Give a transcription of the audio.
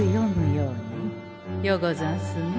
ようござんすね。